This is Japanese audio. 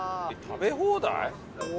「食べ放題」？